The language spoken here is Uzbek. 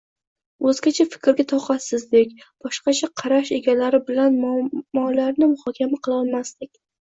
o‘zgacha fikrga toqatsizlik, boshqacha qarash egalari bilan muammolarni muhokama qilolmaslik